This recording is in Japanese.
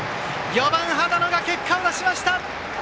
４番、羽田野が結果を出しました！